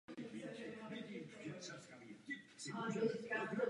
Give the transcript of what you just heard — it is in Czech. Vítám skutečnost, že je v Komisi více mužů než žen.